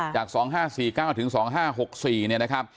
จาก๒๕๔๙ถึง๒๕๖๔เนี่ยนะครับ